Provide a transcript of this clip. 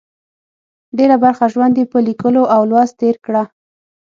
ډېره برخه ژوند یې په لیکلو او لوست تېر کړه.